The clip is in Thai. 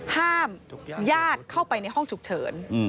ห้ามญาติเข้าไปในห้องฉุกเฉิน